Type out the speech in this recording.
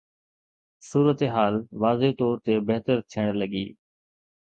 صورتحال واضح طور تي بهتر ٿيڻ لڳي.